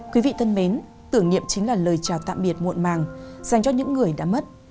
quý vị thân mến tưởng niệm chính là lời chào tạm biệt muộn màng dành cho những người đã mất